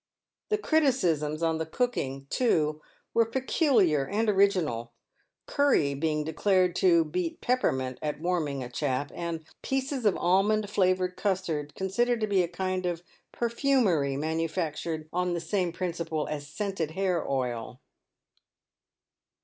The criticisms on the cooking, too, were peculiar and original ; curry being declared to " beat peppermint at warming a chap," and pieces of almond flavoured custard considered to be a kind of per fumery manufactured on the same principle as scented hair oil.